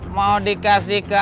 mau dikasih ke ani